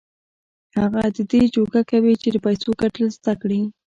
هغه د دې جوګه کوي چې د پيسو ګټل زده کړي.